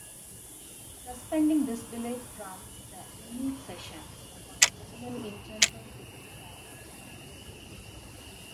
"Suspending Disbelief", from "The Inuit Sessions", was originally intended to be on "Juturna".